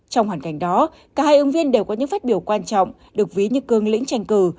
trong hoàn cảnh đó cả hai ứng viên đều có những phát biểu quan trọng được ví như cương lĩnh tranh cử